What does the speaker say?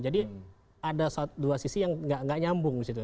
jadi ada dua sisi yang tidak menyambung di situ